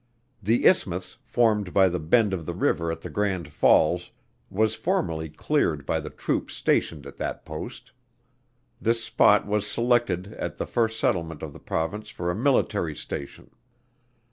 The isthmus formed by the bend of the river at the Grand Falls, was formerly cleared by the troops stationed at that post. This spot was selected at the first settlement of the Province for a military station.